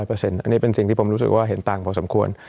อันนี้เป็นสิ่งที่ผมรู้สึกว่าเห็นต่างพอสมควร